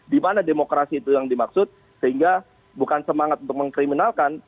dimana demokrasi itu yang dimaksud sehingga bukan semangat untuk mengkriminalkan